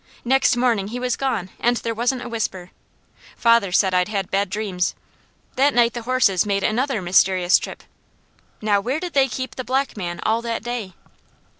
Next morning he was gone and there wasn't a whisper. Father said I'd had bad dreams. That night the horses made another mysterious trip. Now where did they keep the black man all that day?"